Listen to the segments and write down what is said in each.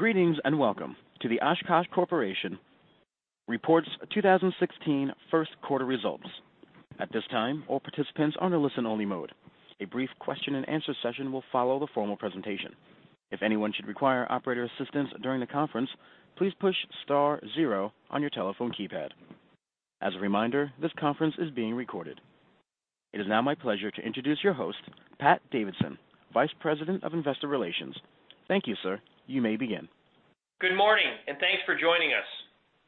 Greetings, and welcome to the Oshkosh Corporation reports 2016 first quarter results. At this time, all participants are in a listen-only mode. A brief question-and-answer session will follow the formal presentation. If anyone should require operator assistance during the conference, please push star zero on your telephone keypad. As a reminder, this conference is being recorded. It is now my pleasure to introduce your host, Pat Davidson, Vice President of Investor Relations. Thank you, sir. You may begin. Good morning, and thanks for joining us.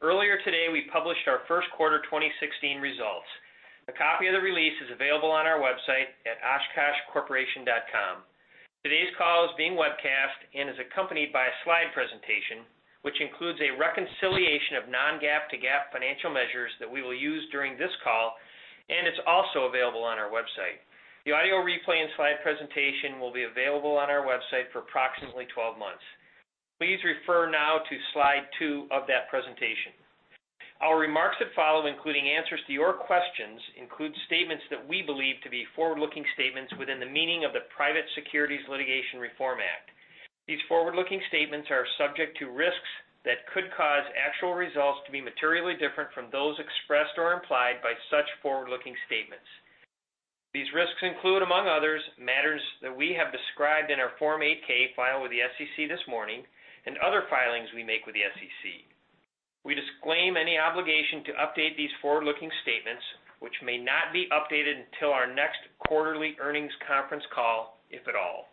Earlier today, we published our first quarter 2016 results. A copy of the release is available on our website at oshkoshcorporation.com. Today's call is being webcast and is accompanied by a slide presentation, which includes a reconciliation of non-GAAP to GAAP financial measures that we will use during this call, and it's also available on our website. The audio replay and slide presentation will be available on our website for approximately 12 months. Please refer now to Slide two of that presentation. Our remarks that follow, including answers to your questions, include statements that we believe to be forward-looking statements within the meaning of the Private Securities Litigation Reform Act. These forward-looking statements are subject to risks that could cause actual results to be materially different from those expressed or implied by such forward-looking statements. These risks include, among others, matters that we have described in our Form 8-K filed with the SEC this morning and other filings we make with the SEC. We disclaim any obligation to update these forward-looking statements, which may not be updated until our next quarterly earnings conference call, if at all.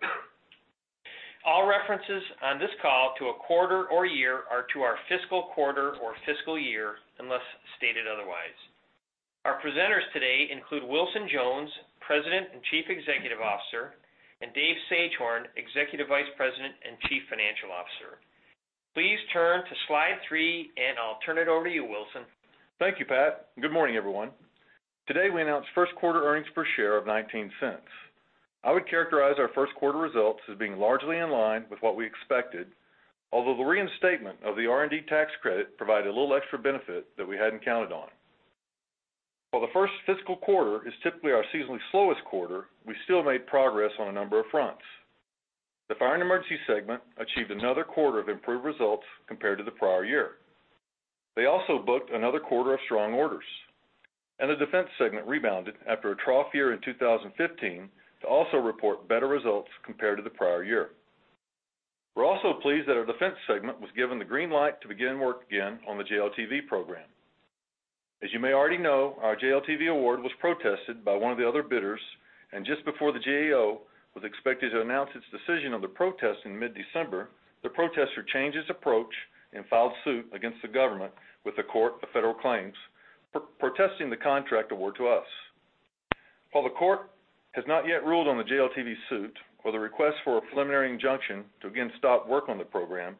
All references on this call to a quarter or year are to our fiscal quarter or fiscal year, unless stated otherwise. Our presenters today include Wilson Jones, President and Chief Executive Officer, and Dave Sagehorn, Executive Vice President and Chief Financial Officer. Please turn to Slide three, and I'll turn it over to you, Wilson. Thank you, Pat. Good morning, everyone. Today, we announced first quarter earnings per share of $0.19. I would characterize our first quarter results as being largely in line with what we expected, although the reinstatement of the R&D tax credit provided a little extra benefit that we hadn't counted on. While the first fiscal quarter is typically our seasonally slowest quarter, we still made progress on a number of fronts. The Fire and Emergency segment achieved another quarter of improved results compared to the prior year. They also booked another quarter of strong orders, and the Defense segment rebounded after a trough year in 2015 to also report better results compared to the prior year. We're also pleased that our Defense segment was given the green light to begin work again on the JLTV program. As you may already know, our JLTV award was protested by one of the other bidders, and just before the GAO was expected to announce its decision on the protest in mid-December, the protester changed his approach and filed suit against the government with the Court of Federal Claims, protesting the contract award to us. While the court has not yet ruled on the JLTV suit or the request for a preliminary injunction to again stop work on the program,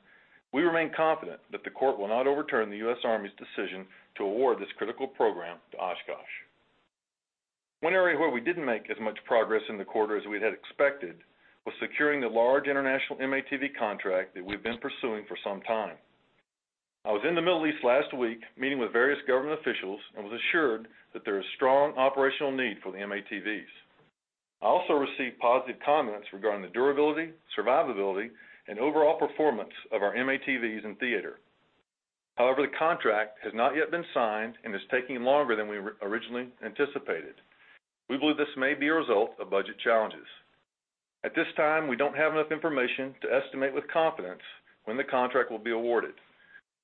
we remain confident that the court will not overturn the U.S. Army's decision to award this critical program to Oshkosh. One area where we didn't make as much progress in the quarter as we had expected was securing the large international M-ATV contract that we've been pursuing for some time. I was in the Middle East last week, meeting with various government officials, and was assured that there is strong operational need for the M-ATVs. I also received positive comments regarding the durability, survivability, and overall performance of our M-ATVs in theater. However, the contract has not yet been signed and is taking longer than we originally anticipated. We believe this may be a result of budget challenges. At this time, we don't have enough information to estimate with confidence when the contract will be awarded.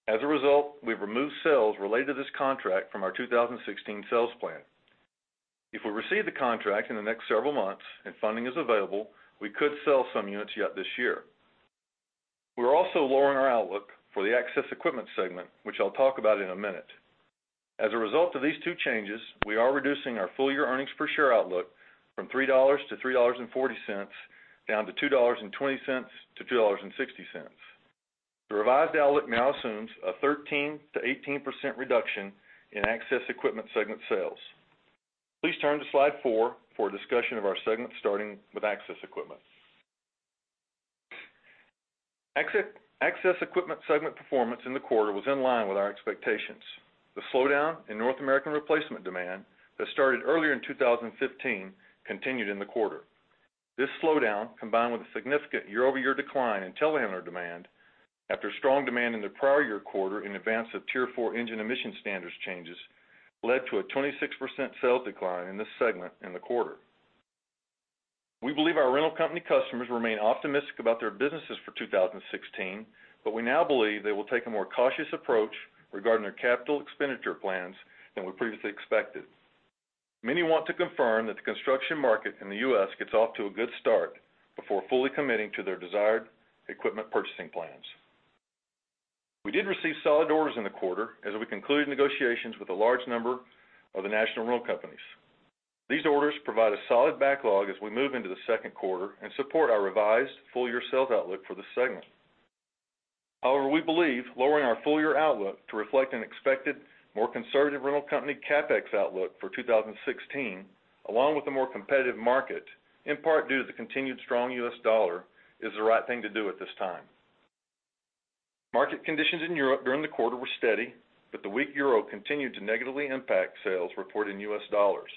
As a result, we've removed sales related to this contract from our 2016 sales plan. If we receive the contract in the next several months and funding is available, we could sell some units yet this year. We're also lowering our outlook for the Access Equipment segment, which I'll talk about in a minute. As a result of these two changes, we are reducing our full-year earnings per share outlook from $3-$3.40, down to $2.20-$2.60. The revised outlook now assumes a 13%-18% reduction in Access Equipment segment sales. Please turn to Slide 4 for a discussion of our segments, starting with Access Equipment. Access Equipment segment performance in the quarter was in line with our expectations. The slowdown in North American replacement demand that started earlier in 2015 continued in the quarter. This slowdown, combined with a significant year-over-year decline in telehandler demand after strong demand in the prior year quarter in advance of Tier 4 engine emission standards changes, led to a 26% sales decline in this segment in the quarter. We believe our rental company customers remain optimistic about their businesses for 2016, but we now believe they will take a more cautious approach regarding their capital expenditure plans than we previously expected. Many want to confirm that the construction market in the U.S. gets off to a good start before fully committing to their desired equipment purchasing plans. We did receive solid orders in the quarter as we concluded negotiations with a large number of the national rental companies. These orders provide a solid backlog as we move into the second quarter and support our revised full-year sales outlook for this segment. However, we believe lowering our full-year outlook to reflect an expected, more conservative rental company CapEx outlook for 2016, along with a more competitive market, in part due to the continued strong U.S. dollar, is the right thing to do at this time. Market conditions in Europe during the quarter were steady, but the weak euro continued to negatively impact sales reported in U.S. dollars.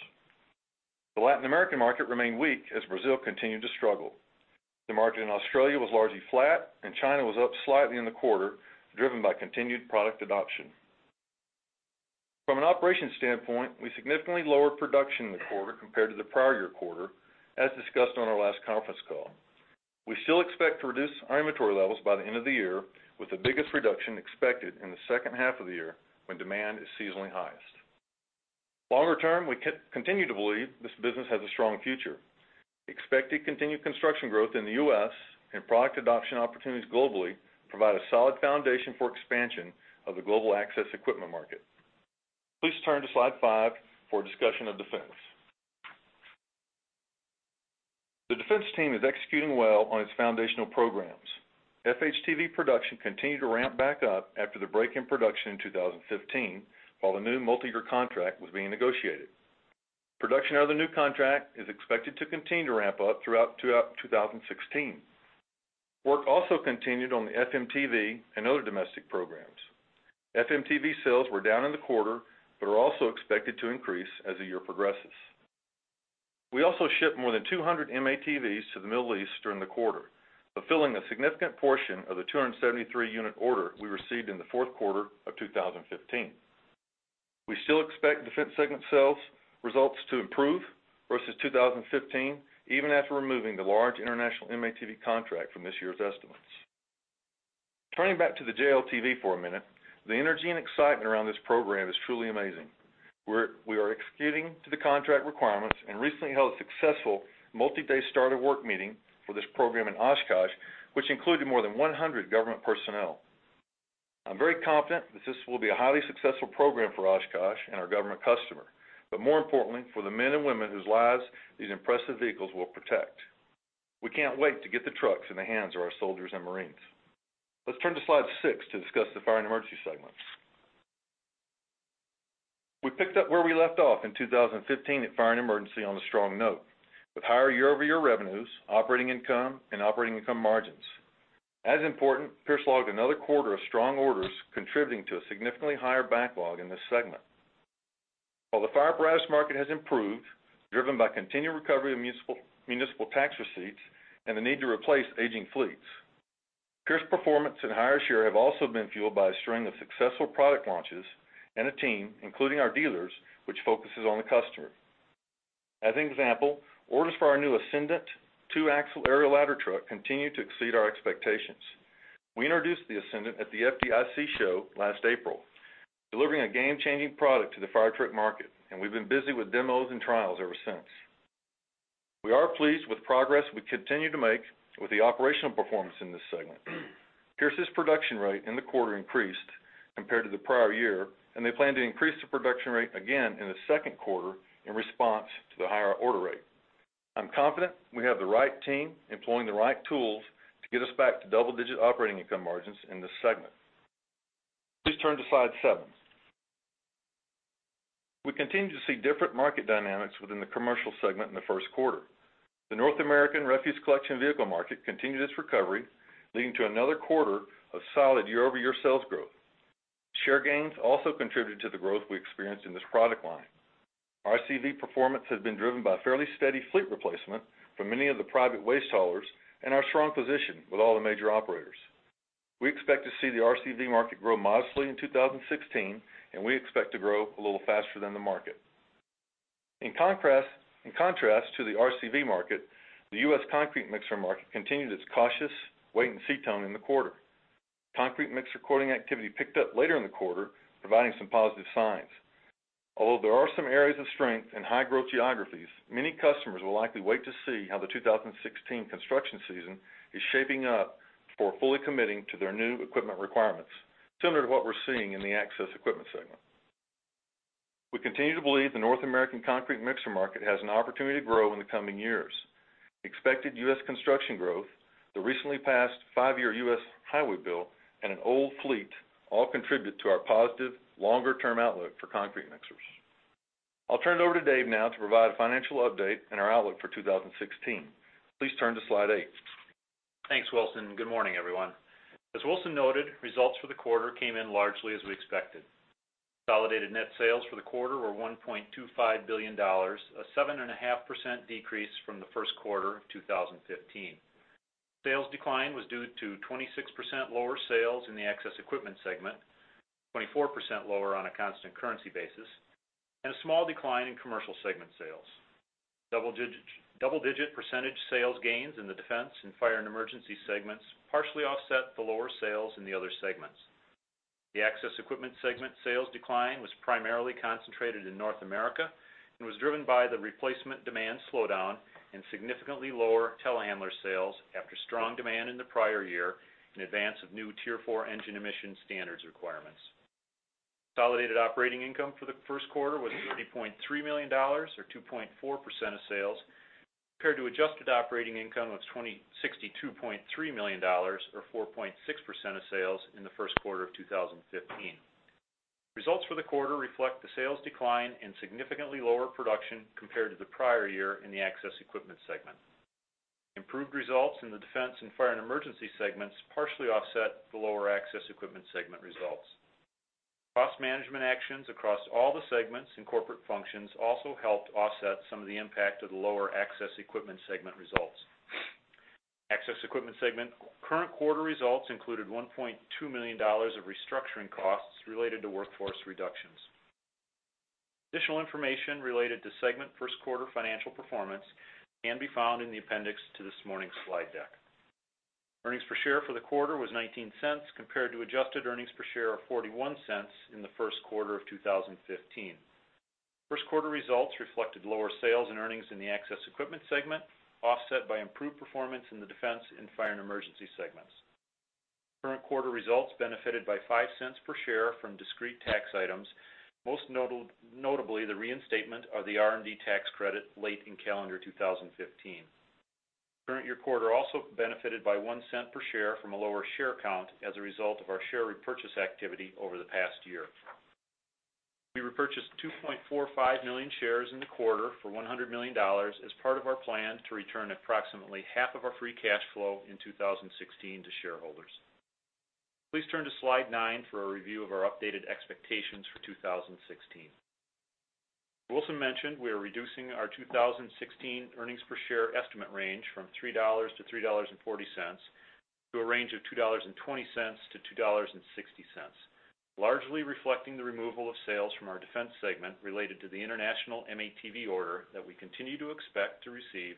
The Latin American market remained weak as Brazil continued to struggle. The market in Australia was largely flat, and China was up slightly in the quarter, driven by continued product adoption. From an operations standpoint, we significantly lowered production in the quarter compared to the prior year quarter, as discussed on our last conference call. We still expect to reduce our inventory levels by the end of the year, with the biggest reduction expected in the second half of the year, when demand is seasonally highest. Longer term, we continue to believe this business has a strong future. Expected continued construction growth in the U.S. and product adoption opportunities globally provide a solid foundation for expansion of the global access equipment market. Please turn to Slide five for a discussion of Defense. The Defense team is executing well on its foundational programs. FHTV production continued to ramp back up after the break in production in 2015, while the new multiyear contract was being negotiated. Production out of the new contract is expected to continue to ramp up throughout 2016. Work also continued on the FMTV and other domestic programs. FMTV sales were down in the quarter, but are also expected to increase as the year progresses. We also shipped more than 200 M-ATVs to the Middle East during the quarter, fulfilling a significant portion of the 273-unit order we received in the fourth quarter of 2015. We still expect Defense segment sales results to improve versus 2015, even after removing the large international M-ATV contract from this year's estimates. Turning back to the JLTV for a minute, the energy and excitement around this program is truly amazing. We are executing to the contract requirements and recently held a successful multi-day start-of-work meeting for this program in Oshkosh, which included more than 100 government personnel. I'm very confident that this will be a highly successful program for Oshkosh and our government customer, but more importantly, for the men and women whose lives these impressive vehicles will protect. We can't wait to get the trucks in the hands of our soldiers and marines. Let's turn to Slide six to discuss the Fire & Emergency segment. We picked up where we left off in 2015 at Fire & Emergency on a strong note, with higher year-over-year revenues, operating income, and operating income margins. As important, Pierce logged another quarter of strong orders, contributing to a significantly higher backlog in this segment. While the fire apparatus market has improved, driven by continued recovery in municipal tax receipts and the need to replace aging fleets, Pierce's performance and higher share have also been fueled by a string of successful product launches and a team, including our dealers, which focuses on the customer. As an example, orders for our new Ascendant two-axle aerial ladder truck continue to exceed our expectations. We introduced the Ascendant at the FDIC show last April, delivering a game-changing product to the fire truck market, and we've been busy with demos and trials ever since. We are pleased with the progress we continue to make with the operational performance in this segment. Pierce's production rate in the quarter increased compared to the prior year, and they plan to increase the production rate again in the second quarter in response to the higher order rate. I'm confident we have the right team employing the right tools to get us back to double-digit operating income margins in this segment. Please turn to Slide seven. We continue to see different market dynamics within the Commercial segment in the first quarter. The North American refuse collection vehicle market continued its recovery, leading to another quarter of solid year-over-year sales growth. Share gains also contributed to the growth we experienced in this product line. RCV performance has been driven by fairly steady fleet replacement from many of the private waste haulers and our strong position with all the major operators. We expect to see the RCV market grow modestly in 2016, and we expect to grow a little faster than the market. In contrast, in contrast to the RCV market, the U.S. concrete mixer market continued its cautious wait-and-see tone in the quarter. Concrete mixer quoting activity picked up later in the quarter, providing some positive signs. Although there are some areas of strength in high-growth geographies, many customers will likely wait to see how the 2016 construction season is shaping up before fully committing to their new equipment requirements, similar to what we're seeing in the Access Equipment segment. We continue to believe the North American concrete mixer market has an opportunity to grow in the coming years. Expected U.S. construction growth, the recently passed 5-year U.S. highway bill, and an old fleet all contribute to our positive longer-term outlook for concrete mixers. I'll turn it over to Dave now to provide a financial update and our outlook for 2016. Please turn to Slide eight. Thanks, Wilson, and good morning, everyone. As Wilson noted, results for the quarter came in largely as we expected. Consolidated net sales for the quarter were $1.25 billion, a 7.5% decrease from the first quarter of 2015. Sales decline was due to 26% lower sales in the Access Equipment segment, 24% lower on a constant currency basis, and a small decline in Commercial segment sales. Double digit, double-digit percentage sales gains in the Defense and Fire & Emergency segments partially offset the lower sales in the other segments. The Access Equipment segment sales decline was primarily concentrated in North America and was driven by the replacement demand slowdown and significantly lower telehandler sales after strong demand in the prior year in advance of new Tier 4 engine emission standards requirements. Consolidated operating income for the first quarter was $80.3 million, or 2.4% of sales, compared to adjusted operating income of $62.3 million, or 4.6% of sales, in the first quarter of 2015. Results for the quarter reflect the sales decline and significantly lower production compared to the prior year in the Access Equipment segment. Improved results in the Defense and Fire & Emergency segments partially offset the lower Access Equipment segment results. Cost management actions across all the segments and corporate functions also helped offset some of the impact of the lower Access Equipment segment results. Access Equipment segment, current quarter results included $1.2 million of restructuring costs related to workforce reductions. Additional information related to segment first quarter financial performance can be found in the appendix to this morning's slide deck. Earnings per share for the quarter was $0.19 compared to adjusted earnings per share of $0.41 in the first quarter of 2015. First quarter results reflected lower sales and earnings in the Access Equipment segment, offset by improved performance in the Defense and Fire and Emergency segments. Current quarter results benefited by $0.05 per share from discrete tax items, notably, the reinstatement of the R&D tax credit late in calendar 2015. Current year quarter also benefited by $0.01 per share from a lower share count as a result of our share repurchase activity over the past year. We repurchased 2.45 million shares in the quarter for $100 million as part of our plan to return approximately half of our free cash flow in 2016 to shareholders. Please turn to slide nine for a review of our updated expectations for 2016. Wilson mentioned we are reducing our 2016 earnings per share estimate range from $3-$3.40, to a range of $2.20-$2.60, largely reflecting the removal of sales from our Defense segment related to the international M-ATV order that we continue to expect to receive,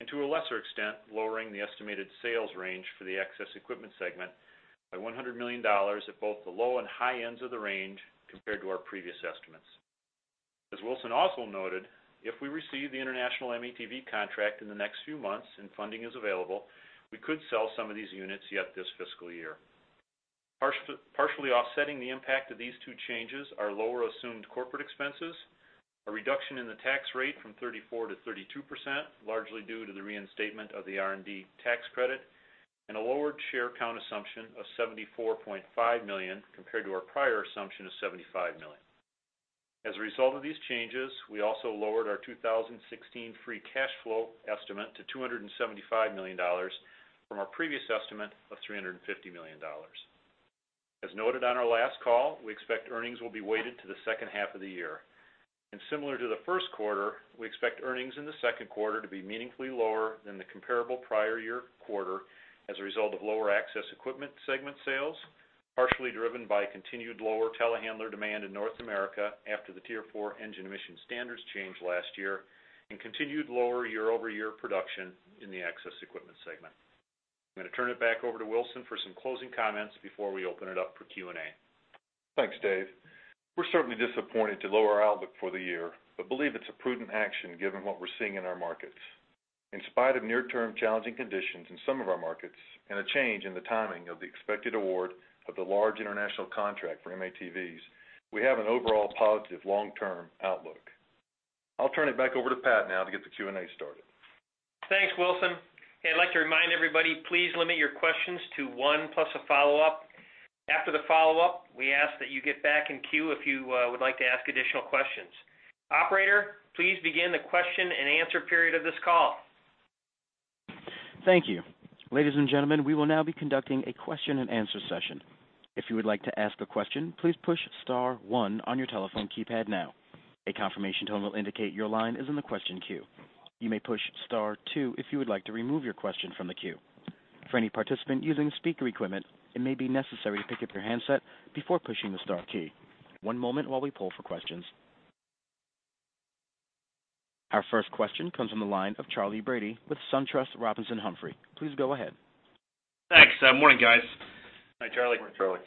and to a lesser extent, lowering the estimated sales range for the Access Equipment segment by $100 million at both the low and high ends of the range compared to our previous estimates. As Wilson also noted, if we receive the international M-ATV contract in the next few months and funding is available, we could sell some of these units yet this fiscal year. Partially offsetting the impact of these two changes are lower assumed corporate expenses, a reduction in the tax rate from 34%-32%, largely due to the reinstatement of the R&D tax credit, and a lowered share count assumption of 74.5 million, compared to our prior assumption of 75 million. As a result of these changes, we also lowered our 2016 free cash flow estimate to $275 million from our previous estimate of $350 million. As noted on our last call, we expect earnings will be weighted to the second half of the year. Similar to the first quarter, we expect earnings in the second quarter to be meaningfully lower than the comparable prior year quarter as a result of lower Access Equipment segment sales, partially driven by continued lower telehandler demand in North America after the Tier 4 engine emission standards changed last year, and continued lower year-over-year production in the Access Equipment segment. I'm going to turn it back over to Wilson for some closing comments before we open it up for Q&A. Thanks, Dave. We're certainly disappointed to lower our outlook for the year, but believe it's a prudent action given what we're seeing in our markets. In spite of near-term challenging conditions in some of our markets and a change in the timing of the expected award of the large international contract for M-ATVs, we have an overall positive long-term outlook. I'll turn it back over to Pat now to get the Q&A started. Thanks, Wilson. Hey, I'd like to remind everybody, please limit your questions to one, plus a follow-up. After the follow-up, we ask that you get back in queue if you would like to ask additional questions. Operator, please begin the question-and-answer period of this call. Thank you. Ladies and gentlemen, we will now be conducting a question-and-answer session. If you would like to ask a question, please push star one on your telephone keypad now. A confirmation tone will indicate your line is in the question queue. You may push star two if you would like to remove your question from the queue. For any participant using speaker equipment, it may be necessary to pick up your handset before pushing the star key. One moment while we pull for questions. Our first question comes on the line of Charley Brady with SunTrust Robinson Humphrey. Please go ahead. Thanks. Morning, guys. Hi, Charley. Morning, Charley.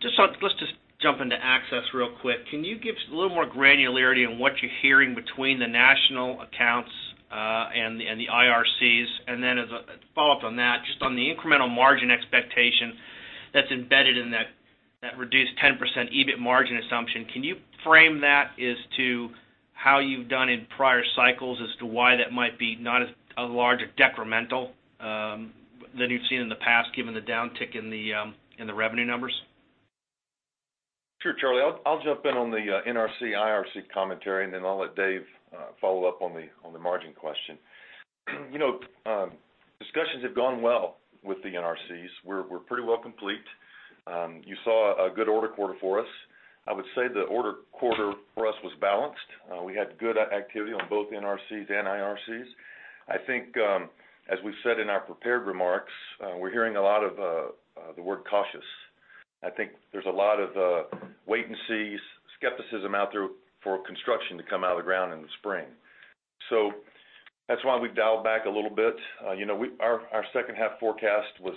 Just, let's just jump into Access real quick. Can you give us a little more granularity on what you're hearing between the national accounts and the IRCs? And then as a follow-up on that, just on the incremental margin expectation that's embedded in that reduced 10% EBIT margin assumption, can you frame that as to how you've done in prior cycles as to why that might be not as large a decremental than you've seen in the past, given the downtick in the revenue numbers? Sure, Charley. I'll, I'll jump in on the NRC, IRC commentary, and then I'll let Dave follow up on the margin question. You know, discussions have gone well with the NRCs. We're, we're pretty well complete. You saw a good order quarter for us. I would say the order quarter for us was balanced. We had good activity on both NRCs and IRCs. I think, as we've said in our prepared remarks, we're hearing a lot of the word cautious. I think there's a lot of wait and sees, skepticism out there for construction to come out of the ground in the spring. So that's why we've dialed back a little bit. You know, we, our, our second half forecast was,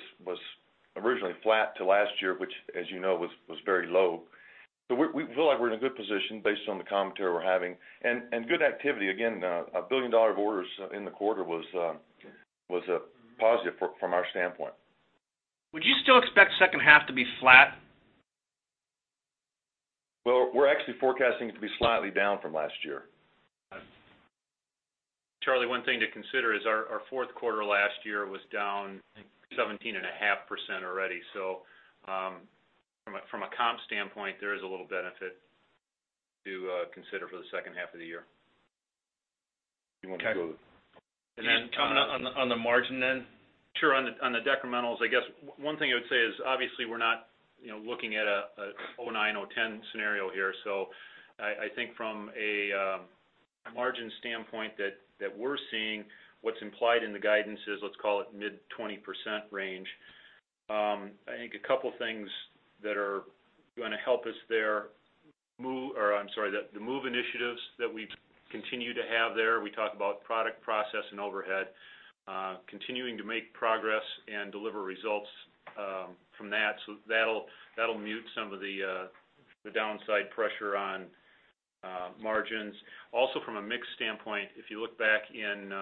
originally flat to last year, which, as you know, was, very low. But we feel like we're in a good position based on the commentary we're having. And good activity, again, $1 billion of orders in the quarter was a positive from our standpoint. Would you still expect second half to be flat? Well, we're actually forecasting it to be slightly down from last year. Charley, one thing to consider is our fourth quarter last year was down 17.5% already. So, from a comp standpoint, there is a little benefit to consider for the second half of the year. Okay. And then comment on the, on the margin then? Sure. On the decrementals, I guess, one thing I would say is, obviously, we're not, you know, looking at a 2009, 2010 scenario here. So I think from a margin standpoint that we're seeing, what's implied in the guidance is, let's call it, mid-20% range. I think a couple things that are gonna help us there, MOVE—or I'm sorry, the MOVE initiatives that we continue to have there. We talk about product, process, and overhead, continuing to make progress and deliver results from that. So that'll mute some of the downside pressure on margins. Also, from a mix standpoint, if you look back in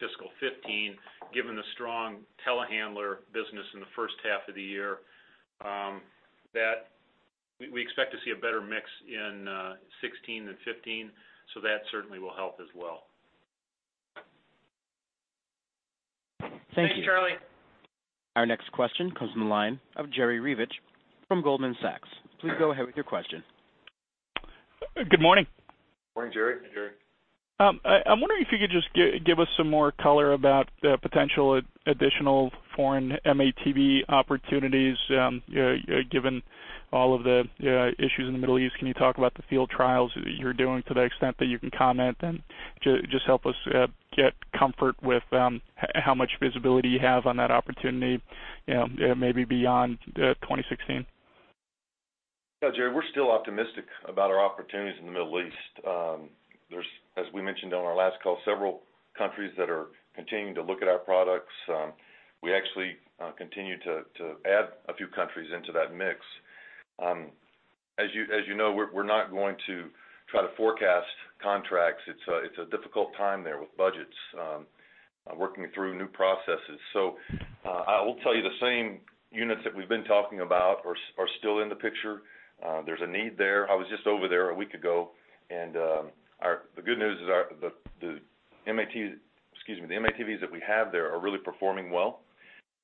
fiscal 2015, given the strong Telehandler business in the first half of the year, that we, we expect to see a better mix in 2016 than 2015, so that certainly will help as well. Thank you. Thanks, Charley. Our next question comes from the line of Jerry Revich from Goldman Sachs. Please go ahead with your question. Good morning. Morning, Jerry. Hey, Jerry. I'm wondering if you could just give us some more color about the potential additional foreign M-ATV opportunities, given all of the issues in the Middle East. Can you talk about the field trials that you're doing to the extent that you can comment? Just help us get comfort with how much visibility you have on that opportunity, maybe beyond 2016. Yeah, Jerry, we're still optimistic about our opportunities in the Middle East. There's, as we mentioned on our last call, several countries that are continuing to look at our products. We actually continue to add a few countries into that mix. As you know, we're not going to try to forecast contracts. It's a difficult time there with budgets, working through new processes. So, I will tell you, the same units that we've been talking about are still in the picture. There's a need there. I was just over there a week ago. The good news is our, the M-ATVs that we have there are really performing well.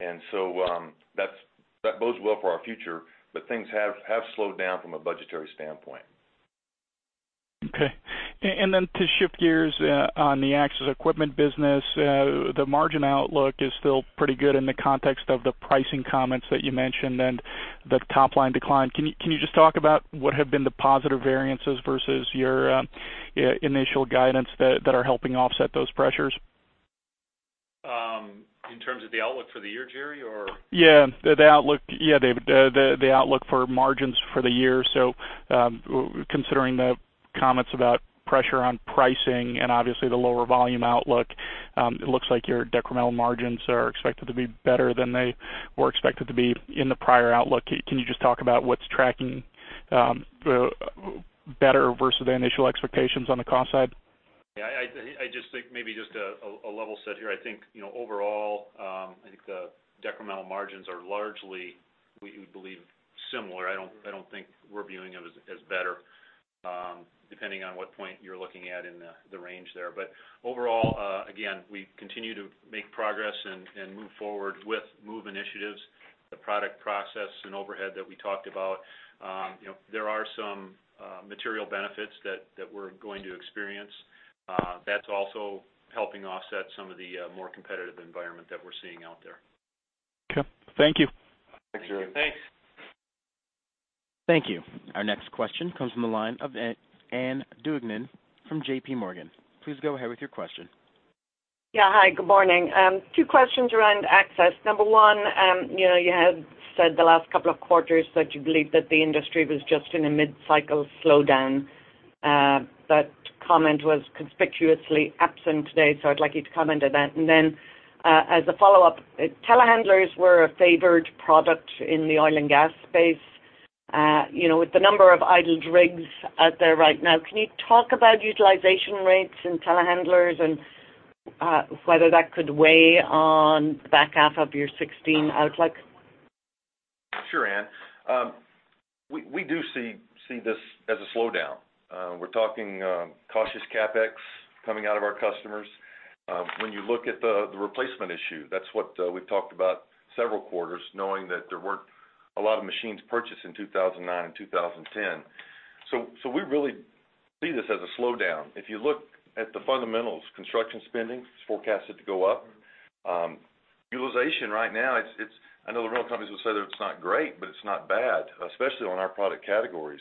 And so, that bodes well for our future, but things have slowed down from a budgetary standpoint. Okay. And then to shift gears, on the Access equipment business, the margin outlook is still pretty good in the context of the pricing comments that you mentioned and the top line decline. Can you just talk about what have been the positive variances versus your initial guidance that are helping offset those pressures? In terms of the outlook for the year, Jerry, or? Yeah, the outlook. Yeah, David, the outlook for margins for the year. So, considering the comments about pressure on pricing and obviously the lower volume outlook, it looks like your decremental margins are expected to be better than they were expected to be in the prior outlook. Can you just talk about what's tracking better versus the initial expectations on the cost side? Yeah, I just think maybe just a level set here. I think, you know, overall, I think the decremental margins are largely, we believe, similar. I don't think we're viewing them as better, depending on what point you're looking at in the range there. But overall, again, we continue to make progress and move forward with MOVE initiatives, the product, process, and overhead that we talked about. You know, there are some material benefits that we're going to experience. That's also helping offset some of the more competitive environment that we're seeing out there. Okay. Thank you. Thanks, Jerry. Thanks. Thank you. Our next question comes from the line of Ann Duignan from JPMorgan. Please go ahead with your question. Yeah, hi, good morning. Two questions around Access. Number one, you know, you had said the last couple of quarters that you believed that the industry was just in a mid-cycle slowdown. That comment was conspicuously absent today, so I'd like you to comment on that. And then, as a follow-up, telehandlers were a favored product in the oil and gas space. You know, with the number of idled rigs out there right now, can you talk about utilization rates in telehandlers and whether that could weigh on the back half of your 2016 outlook? Sure, Ann. We do see this as a slowdown. We're talking cautious CapEx coming out of our customers. When you look at the replacement issue, that's what we've talked about several quarters, knowing that there weren't a lot of machines purchased in 2009 and 2010. We really see this as a slowdown. If you look at the fundamentals, construction spending is forecasted to go up. Utilization right now, it's I know the rental companies will say that it's not great, but it's not bad, especially on our product categories.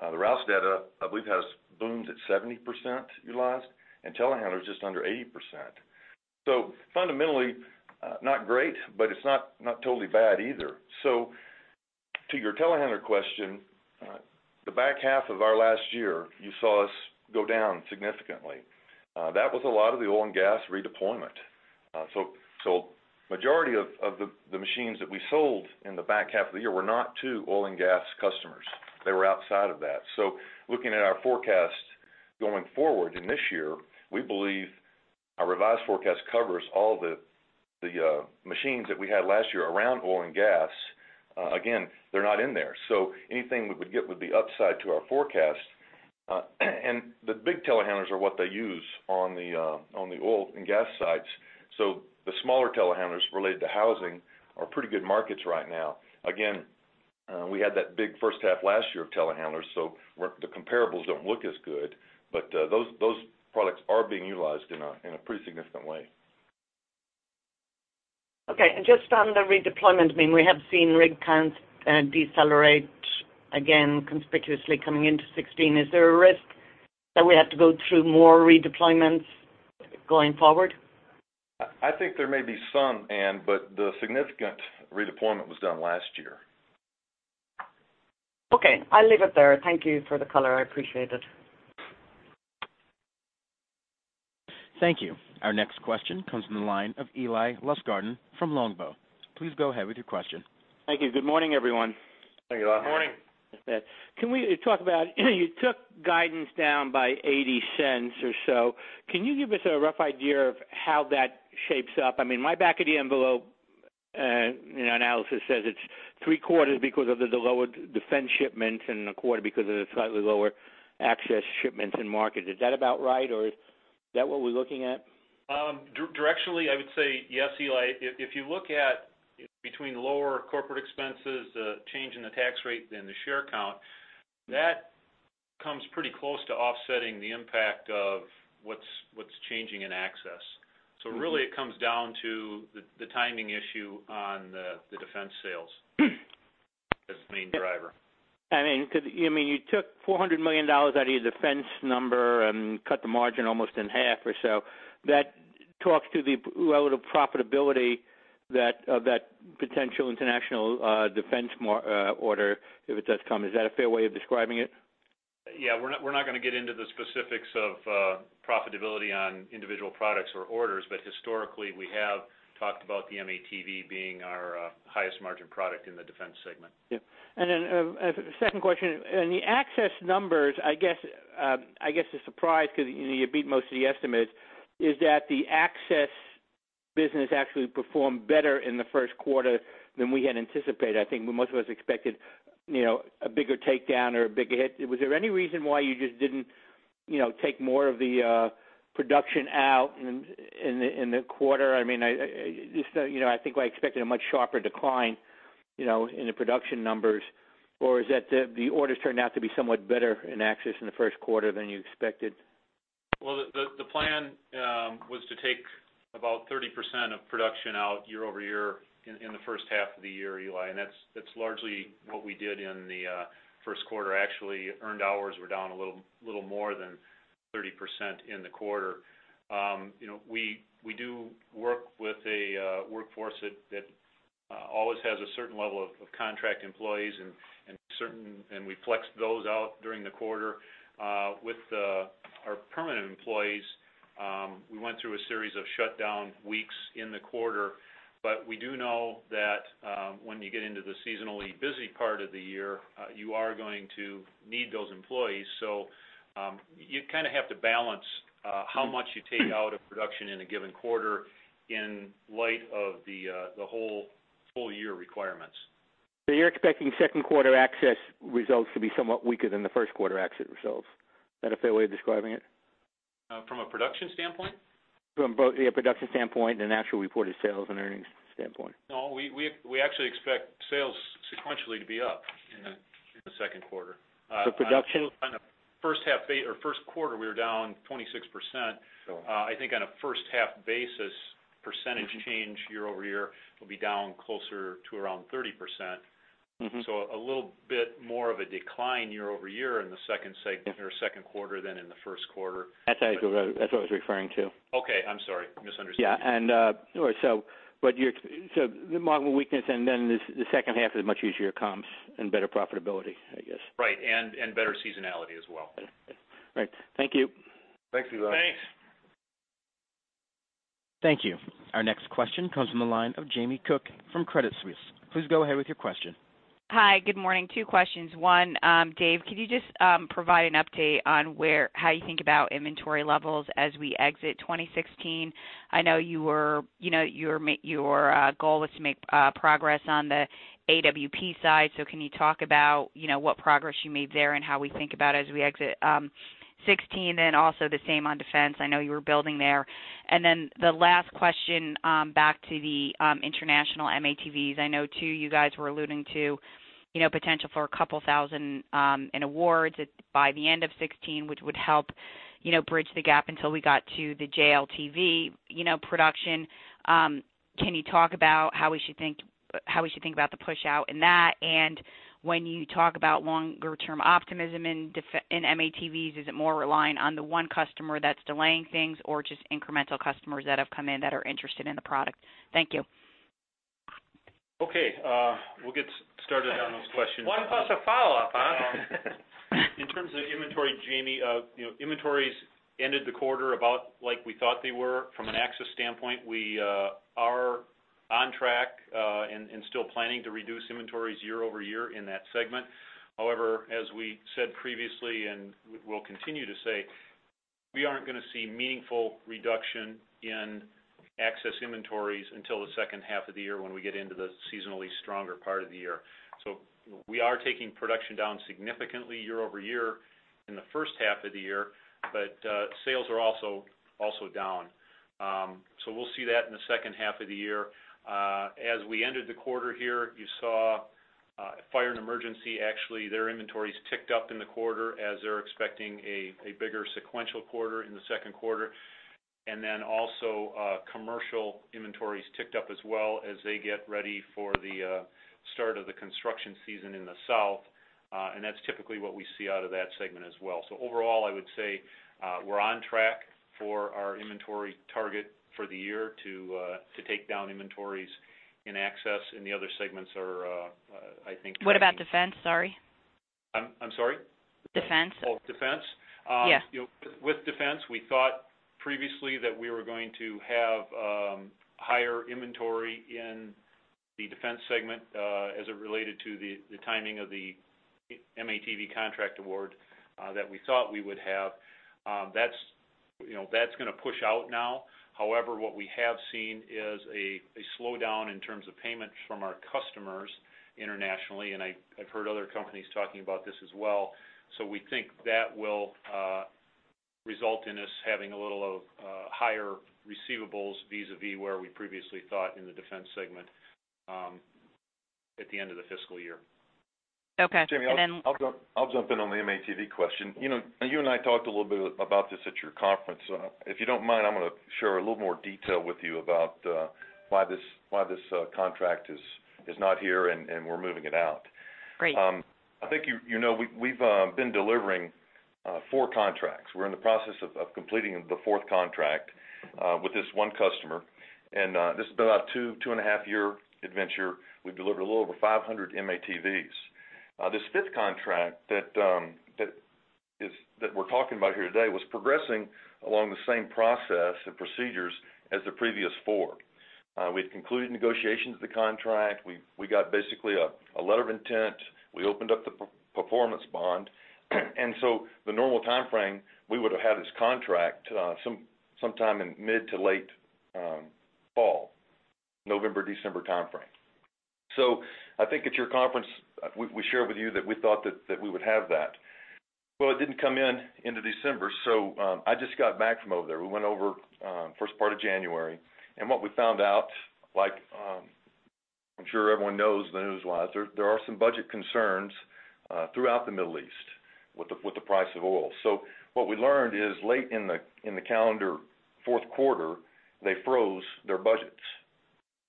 The Rouse data, I believe, has booms at 70% utilized, and telehandler is just under 80%. So fundamentally, not great, but it's not totally bad either. So to your Telehandler question, the back half of our last year, you saw us go down significantly. That was a lot of the oil and gas redeployment. So majority of the machines that we sold in the back half of the year were not to oil and gas customers. They were outside of that. So looking at our forecast going forward in this year, we believe our revised forecast covers all the machines that we had last year around oil and gas. Again, they're not in there, so anything we would get would be upside to our forecast. And the big Telehandlers are what they use on the oil and gas sites. So the smaller Telehandlers related to housing are pretty good markets right now. Again. We had that big first half last year of telehandlers, so we're—the comparables don't look as good, but those products are being utilized in a pretty significant way. Okay. And just on the redeployment, I mean, we have seen rig counts decelerate again, conspicuously coming into 2016. Is there a risk that we have to go through more redeployments going forward? I, I think there may be some, Anne, but the significant redeployment was done last year. Okay, I'll leave it there. Thank you for the color. I appreciate it. Thank you. Our next question comes from the line of Eli Lustgarten from Longbow. Please go ahead with your question. Thank you. Good morning, everyone. Thank you, Eli. Good morning. Can we talk about, you took guidance down by $0.80 or so. Can you give us a rough idea of how that shapes up? I mean, my back of the envelope, you know, analysis says it's three quarters because of the lower defense shipments and a quarter because of the slightly lower access shipments in market. Is that about right, or is that what we're looking at? Directionally, I would say yes, Eli. If you look at between lower corporate expenses, the change in the tax rate and the share count, that comes pretty close to offsetting the impact of what's changing in access. So really, it comes down to the timing issue on the defense sales as the main driver. I mean, could you mean you took $400 million out of your defense number and cut the margin almost in half or so. That talks to the relative profitability that, of that potential international defense market order, if it does come. Is that a fair way of describing it? Yeah, we're not, we're not gonna get into the specifics of profitability on individual products or orders, but historically, we have talked about the M-ATV being our highest margin product in the defense segment. Yeah. And then, second question. In the access numbers, I guess, I guess the surprise, because, you know, you beat most of the estimates, is that the access business actually performed better in the first quarter than we had anticipated. I think most of us expected, you know, a bigger takedown or a bigger hit. Was there any reason why you just didn't, you know, take more of the production out in the quarter? I mean, just, you know, I think I expected a much sharper decline, you know, in the production numbers. Or is that the orders turned out to be somewhat better in access in the first quarter than you expected? Well, the plan was to take about 30% of production out year-over-year in the first half of the year, Eli, and that's largely what we did in the first quarter. Actually, earned hours were down a little more than 30% in the quarter. You know, we do work with a workforce that always has a certain level of contract employees and we flex those out during the quarter. With our permanent employees, we went through a series of shutdown weeks in the quarter. But we do know that when you get into the seasonally busy part of the year, you are going to need those employees. So, you kind of have to balance how much you take out of production in a given quarter in light of the whole full year requirements. So you're expecting second quarter access results to be somewhat weaker than the first quarter access results. Is that a fair way of describing it? From a production standpoint? From both, yeah, a production standpoint and actual reported sales and earnings standpoint. No, we actually expect sales sequentially to be up in the second quarter. But production. On the first half or first quarter, we were down 26%. Sure. I think on a first half basis, percentage change year-over-year will be down closer to around 30%. Mm-hmm. So a little bit more of a decline year-over-year in the second quarter than in the first quarter. That's what I, that's what I was referring to. Okay. I'm sorry, misunderstood you. Yeah, so the marginal weakness, and then the second half is much easier comps and better profitability, I guess. Right, and better seasonality as well. Right. Thank you. Thanks, Eli. Thanks. Thank you. Our next question comes from the line of Jamie Cook from Credit Suisse. Please go ahead with your question. Hi, good morning. Two questions. One, Dave, could you just provide an update on where, how you think about inventory levels as we exit 2016? I know you were, you know, your goal was to make progress on the AWP side. So can you talk about, you know, what progress you made there and how we think about as we exit 2016? And also the same on defense. I know you were building there. And then the last question, back to the international M-ATVs. I know, too, you guys were alluding to, you know, potential for a couple thousand in awards by the end of 2016, which would help, you know, bridge the gap until we got to the JLTV production. Can you talk about how we should think about the pushout in that? And when you talk about longer term optimism in defense in M-ATVs, is it more reliant on the one customer that's delaying things, or just incremental customers that have come in that are interested in the product? Thank you. Okay, we'll get started on those questions. 1+ a follow-up, huh? In terms of inventory, Jamie, you know, inventories ended the quarter about like we thought they were. From an access standpoint, we are on track and still planning to reduce inventories year-over-year in that segment. However, as we said previously, and we'll continue to say, we aren't gonna see meaningful reduction in access inventories until the second half of the year, when we get into the seasonally stronger part of the year. So we are taking production down significantly year-over-year in the first half of the year, but sales are also down. So we'll see that in the second half of the year. As we ended the quarter here, you saw Fire and Emergency, actually, their inventories ticked up in the quarter as they're expecting a bigger sequential quarter in the second quarter. And then also, commercial inventories ticked up as well as they get ready for the start of the construction season in the south. And that's typically what we see out of that segment as well. So overall, I would say, we're on track for our inventory target for the year to take down inventories in Access, and the other segments are, I think- What about Defense? Sorry. I'm sorry? Defense. Oh, Defense. Yes. With Defense, we thought previously that we were going to have higher inventory in the Defense segment, as it related to the timing of the M-ATV contract award that we thought we would have. That's, you know, that's gonna push out now. However, what we have seen is a slowdown in terms of payments from our customers internationally, and I've heard other companies talking about this as well. So we think that will result in us having a little higher receivables vis-a-vis where we previously thought in the Defense segment at the end of the fiscal year. Okay, and then. Jamie, I'll jump in on the M-ATV question. You know, you and I talked a little bit about this at your conference. So if you don't mind, I'm gonna share a little more detail with you about why this contract is not here, and we're moving it out. Great. I think you know, we've been delivering 4 contracts. We're in the process of completing the fourth contract with this one customer, and this has been about 2-2.5 year adventure. We've delivered a little over 500 M-ATVs. This fifth contract that we're talking about here today was progressing along the same process and procedures as the previous 4. We've concluded negotiations of the contract. We got basically a letter of intent. We opened up the performance bond. And so the normal timeframe, we would have had this contract sometime in mid- to late fall, November-December timeframe. So I think at your conference, we shared with you that we thought that we would have that. Well, it didn't come in into December, so I just got back from over there. We went over first part of January, and what we found out, like, I'm sure everyone knows newswise, there are some budget concerns throughout the Middle East with the, with the price of oil. So what we learned is, late in the, in the calendar fourth quarter, they froze their budgets.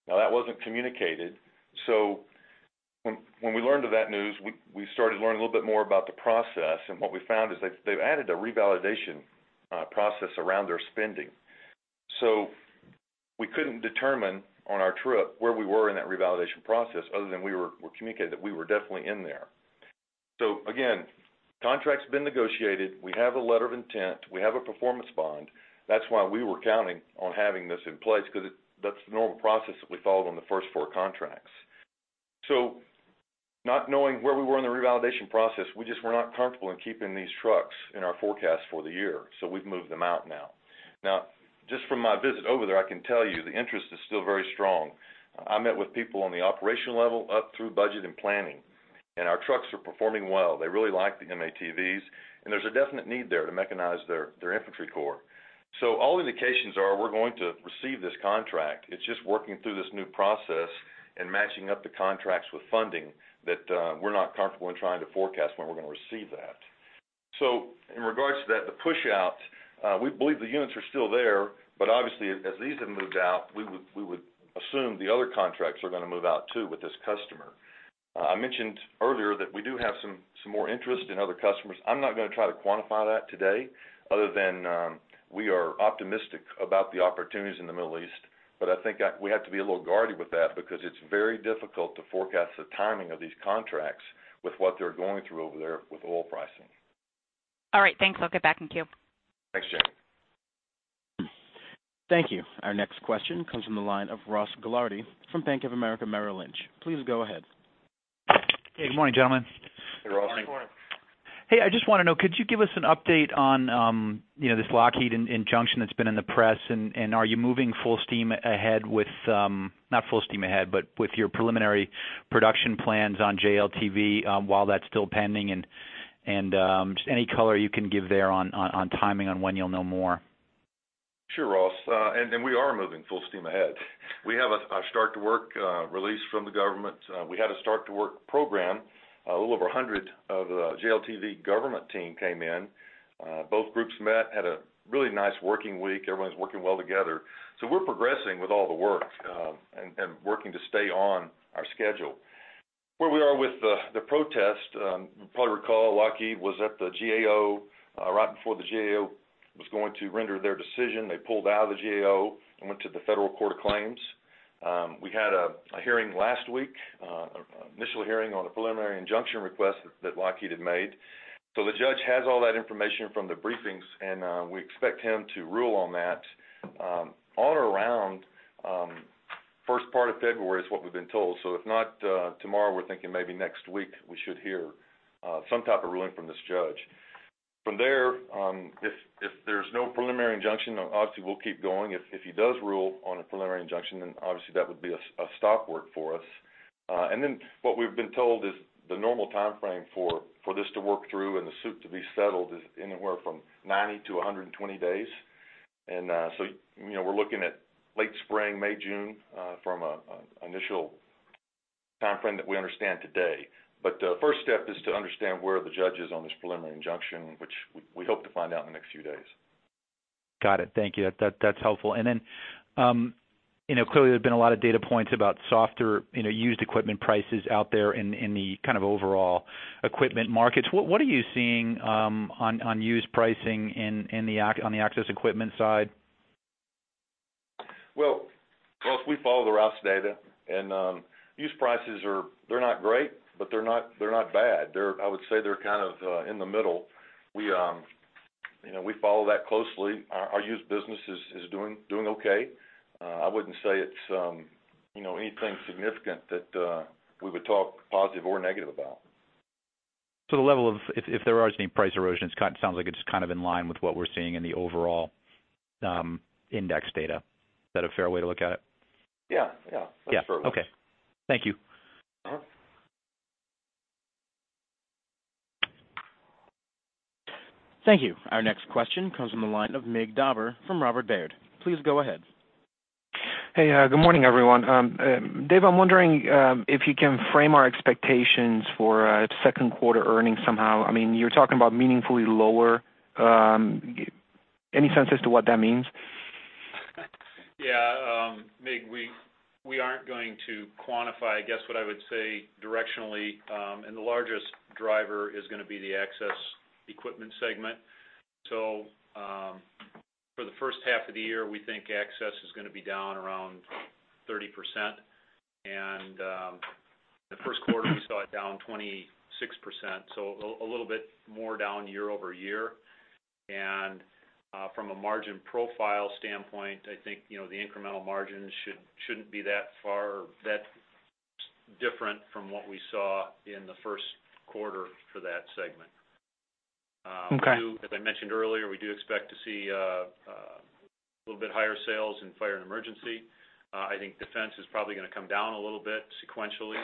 Now, that wasn't communicated, so when we learned of that news, we started learning a little bit more about the process, and what we found is that they've added a revalidation process around their spending. So we couldn't determine on our trip where we were in that revalidation process, other than we were communicated that we were definitely in there. So again, contract's been negotiated. We have a letter of intent. We have a performance bond. That's why we were counting on having this in place, because it, that's the normal process that we followed on the first four contracts. So not knowing where we were in the revalidation process, we just were not comfortable in keeping these trucks in our forecast for the year, so we've moved them out now. Now, just from my visit over there, I can tell you, the interest is still very strong. I met with people on the operational level up through budget and planning, and our trucks are performing well. They really like the M-ATVs, and there's a definite need there to mechanize their infantry corps. So all indications are we're going to receive this contract. It's just working through this new process and matching up the contracts with funding that, we're not comfortable in trying to forecast when we're going to receive that. So in regards to that, the pushout, we believe the units are still there, but obviously, as these have moved out, we would, we would assume the other contracts are going to move out, too, with this customer. I mentioned earlier that we do have some, some more interest in other customers. I'm not going to try to quantify that today, other than, we are optimistic about the opportunities in the Middle East. But I think we have to be a little guarded with that because it's very difficult to forecast the timing of these contracts with what they're going through over there with oil pricing. All right. Thanks. I'll get back in queue. Thanks, Jamie. Thank you. Our next question comes from the line of Ross Gilardi from Bank of America Merrill Lynch. Please go ahead. Good morning, gentlemen. Hey, Ross. Good morning. Hey, I just want to know, could you give us an update on, you know, this Lockheed injunction that's been in the press? And are you moving full steam ahead with, not full steam ahead, but with your preliminary production plans on JLTV, while that's still pending, and just any color you can give there on timing on when you'll know more? Sure, Ross. And we are moving full steam ahead. We have a start-of-work release from the government. We had a start-of-work program. A little over 100 of the JLTV government team came in. Both groups met, had a really nice working week. Everyone's working well together. So we're progressing with all the work, and working to stay on our schedule. Where we are with the protest, you probably recall, Lockheed was at the GAO. Right before the GAO was going to render their decision, they pulled out of the GAO and went to the Federal Court of Claims. We had a hearing last week, initial hearing on a preliminary injunction request that Lockheed had made. So the judge has all that information from the briefings, and we expect him to rule on that, on or around first part of February is what we've been told. So if not tomorrow, we're thinking maybe next week, we should hear some type of ruling from this judge. From there, if there's no preliminary injunction, obviously, we'll keep going. If he does rule on a preliminary injunction, then obviously that would be a stop work for us. And then what we've been told is the normal timeframe for this to work through and the suit to be settled is anywhere from 90-120 days. And so, you know, we're looking at late spring, May, June, from an initial timeframe that we understand today. But first step is to understand where the judge is on this preliminary injunction, which we hope to find out in the next few days. Got it. Thank you. That, that's helpful. And then, you know, clearly, there's been a lot of data points about softer, you know, used equipment prices out there in the kind of overall equipment markets. What are you seeing on used pricing in the Access Equipment side? Well, well, we follow the Rouse data, and used prices are. They're not great, but they're not, they're not bad. They're- I would say they're kind of in the middle. We, you know, we follow that closely. Our, our used business is, is doing okay. I wouldn't say it's, you know, anything significant that we would talk positive or negative about. So the level of—if there are any price erosions, it sounds like it's kind of in line with what we're seeing in the overall index data. Is that a fair way to look at it? Yeah, yeah. Yeah. Okay. Thank you. Thank you. Our next question comes from the line of Mig Dobre from Robert Baird. Please go ahead. Hey, good morning, everyone. Dave, I'm wondering if you can frame our expectations for second quarter earnings somehow. I mean, you're talking about meaningfully lower. Any sense as to what that means? Yeah, Mig, we aren't going to quantify. I guess what I would say directionally, and the largest driver is gonna be the Access Equipment segment. So, for the first half of the year, we think Access is gonna be down around 30%, and, the first quarter, we saw it down 26%, so a little bit more down year-over-year. And, from a margin profile standpoint, I think, you know, the incremental margins shouldn't be that far, that different from what we saw in the first quarter for that segment. Okay. As I mentioned earlier, we do expect to see a little bit higher sales in fire and emergency. I think defense is probably gonna come down a little bit sequentially,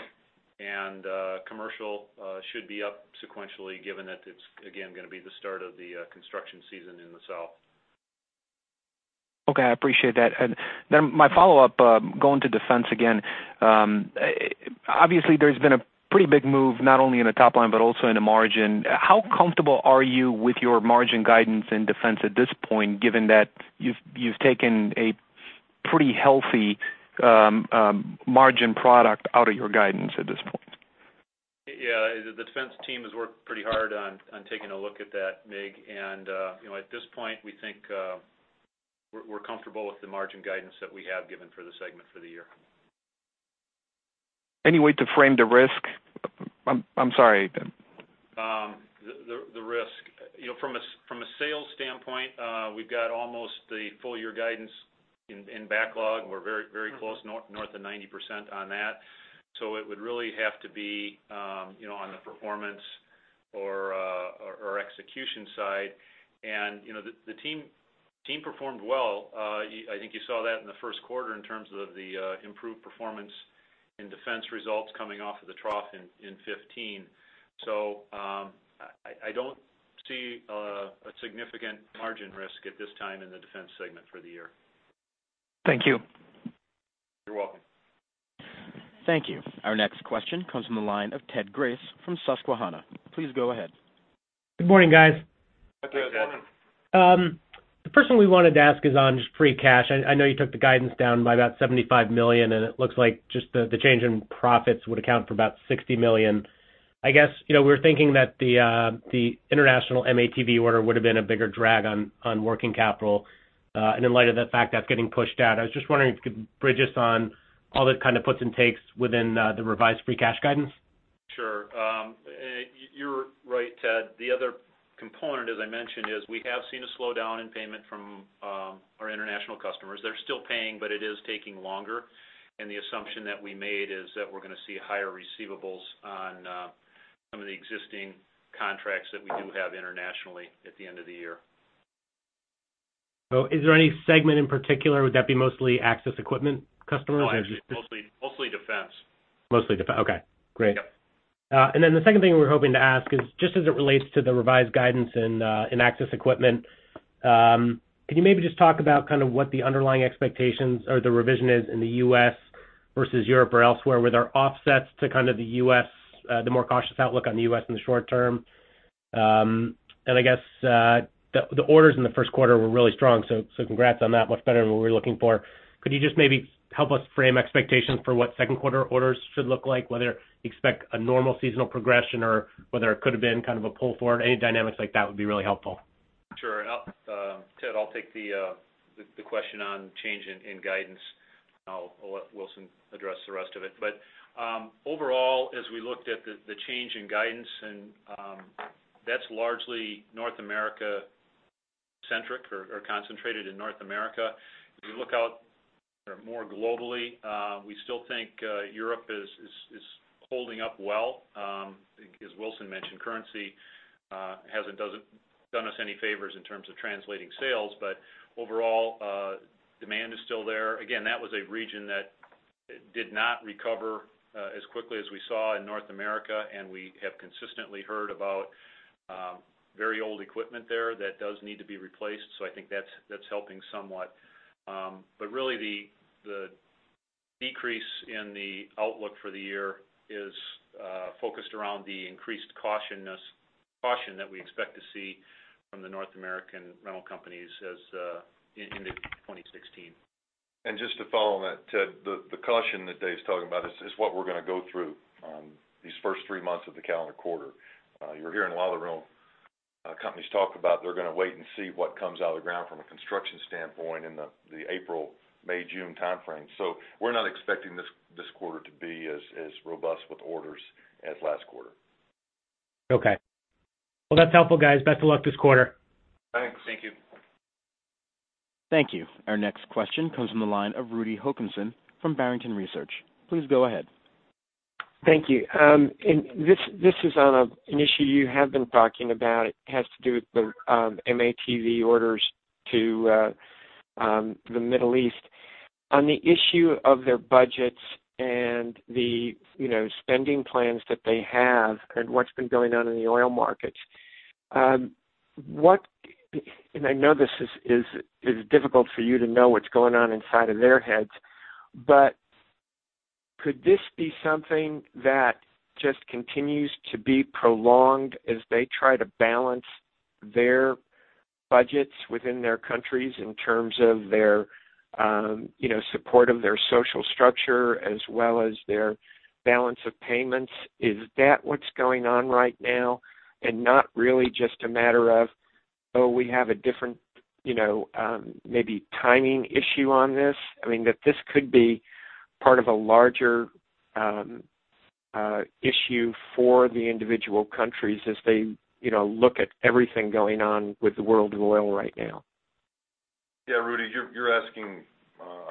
and commercial should be up sequentially, given that it's, again, gonna be the start of the construction season in the south. Okay, I appreciate that. Then my follow-up, going to defense again. Obviously, there's been a pretty big move, not only in the top line, but also in the margin. How comfortable are you with your margin guidance in defense at this point, given that you've taken a pretty healthy margin product out of your guidance at this point? Yeah, the defense team has worked pretty hard on taking a look at that, Mig, and, you know, at this point, we think we're comfortable with the margin guidance that we have given for the segment for the year. Any way to frame the risk? I'm sorry. The risk. You know, from a sales standpoint, we've got almost the full year guidance in backlog. We're very, very close, north of 90% on that. So it would really have to be, you know, on the performance or execution side. And, you know, the team performed well. I think you saw that in the first quarter in terms of the improved performance in defense results coming off of the trough in 2015. So, I don't see a significant margin risk at this time in the defense segment for the year. Thank you. You're welcome. Thank you. Our next question comes from the line of Ted Grace from Susquehanna. Please go ahead. Good morning, guys. Good morning. The first thing we wanted to ask is on just free cash. I know you took the guidance down by about $75 million, and it looks like just the change in profits would account for about $60 million. I guess, you know, we're thinking that the international M-ATV order would have been a bigger drag on working capital, and in light of the fact that's getting pushed out. I was just wondering if you could bridge us on all the kind of puts and takes within the revised free cash guidance. Sure. You're right, Ted. The other component, as I mentioned, is we have seen a slowdown in payment from our international customers. They're still paying, but it is taking longer, and the assumption that we made is that we're gonna see higher receivables on some of the existing contracts that we do have internationally at the end of the year. Is there any segment in particular? Would that be mostly Access Equipment customers or just. No, mostly, mostly defense. Mostly defense. Okay, great. Yep. And then the second thing we were hoping to ask is, just as it relates to the revised guidance in Access Equipment, can you maybe just talk about kind of what the underlying expectations or the revision is in the U.S. versus Europe or elsewhere, with our offsets to kind of the U.S., the more cautious outlook on the U.S. in the short term? And I guess, the orders in the first quarter were really strong, so congrats on that. Much better than what we were looking for. Could you just maybe help us frame expectations for what second quarter orders should look like, whether you expect a normal seasonal progression or whether it could have been kind of a pull forward? Any dynamics like that would be really helpful. Sure. I'll, Ted, I'll take the, the question on change in, in guidance. I'll let Wilson address the rest of it. But, overall, as we looked at the change in guidance, and, that's largely North America-centric or concentrated in North America. If you look out more globally, we still think Europe is holding up well. As Wilson mentioned, currency hasn't done us any favors in terms of translating sales, but overall, demand is still there. Again, that was a region that did not recover as quickly as we saw in North America, and we have consistently heard about very old equipment there that does need to be replaced. So I think that's helping somewhat. But really, the decrease in the outlook for the year is focused around the increased caution that we expect to see from the North American rental companies as into 2016. And just to follow on that, Ted, the caution that Dave's talking about is what we're gonna go through these first three months of the calendar quarter. You're hearing a lot of the rental companies talk about they're gonna wait and see what comes out of the ground from a construction standpoint in the April, May, June time frame. So we're not expecting this quarter to be as robust with orders as last quarter. Okay. Well, that's helpful, guys. Best of luck this quarter. Thanks. Thank you. Thank you. Our next question comes from the line of Rudy Hokanson from Barrington Research. Please go ahead. Thank you. And this is on an issue you have been talking about. It has to do with the M-ATV orders to the Middle East. On the issue of their budgets and the, you know, spending plans that they have and what's been going on in the oil markets, what and I know this is difficult for you to know what's going on inside of their heads, but could this be something that just continues to be prolonged as they try to balance their budgets within their countries in terms of their, you know, support of their social structure as well as their balance of payments? Is that what's going on right now, and not really just a matter of, oh, we have a different, you know, maybe timing issue on this? I mean, that this could be part of a larger, issue for the individual countries as they, you know, look at everything going on with the world oil right now. Yeah, Rudy, you're asking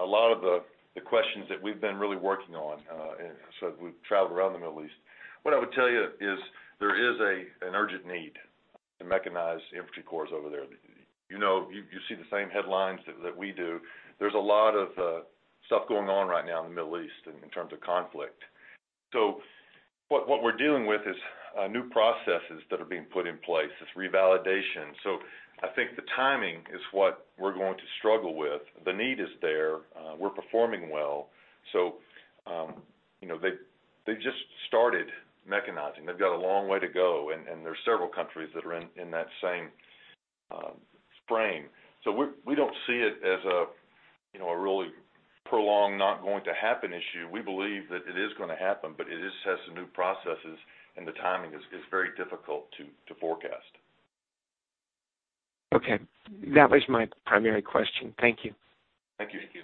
a lot of the questions that we've been really working on, and so we've traveled around the Middle East. What I would tell you is there is an urgent need to mechanize the infantry corps over there. You know, you see the same headlines that we do. There's a lot of stuff going on right now in the Middle East in terms of conflict. So what we're dealing with is new processes that are being put in place, this revalidation. So I think the timing is what we're going to struggle with. The need is there, we're performing well. So, you know, they just started mechanizing. They've got a long way to go, and there are several countries that are in that same frame. So we don't see it as a, you know, a really prolonged, not-going-to-happen issue. We believe that it is gonna happen, but it just has some new processes, and the timing is very difficult to forecast. Okay. That was my primary question. Thank you. Thank you. Thank you.